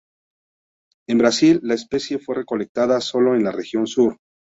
En Brasil, la especie fue recolectada solo en la región sur.